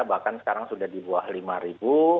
bahkan sekarang sudah di bawah lima ribu